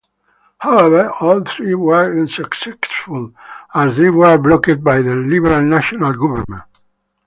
However, all three were unsuccessful, as they were blocked by the Liberal-National government.